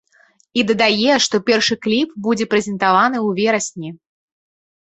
І дадае, што першы кліп будзе прэзентаваны ў верасні.